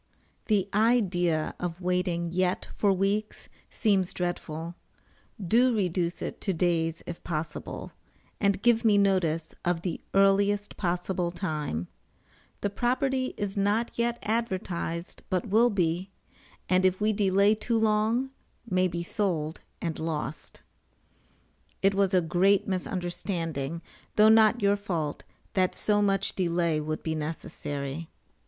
The idea of waiting yet for weeks seems dreadful; do reduce it to days if possible, and give me notice of the earliest possible time. The property is not yet advertised, but will be, [and if we delay too long, may be sold and lost.] It was a great misunderstanding, though not your fault, that so much delay would be necessary.